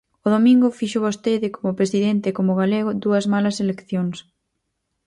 O domingo fixo vostede, como presidente e como galego, dúas malas eleccións.